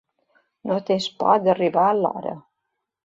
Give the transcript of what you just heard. No tens por d'arribar a l'hora.